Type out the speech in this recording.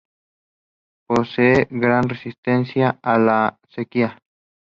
Posee gran resistencia a la sequía.